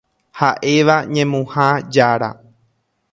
Ha'éva ñemuha jára.